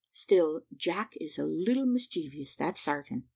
Still Jack is a little mischievous, that's sartain.